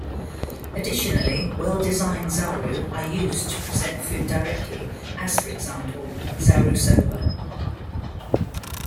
Additionally, well-designed "zaru" are used to present food directly, as for example "zarusoba".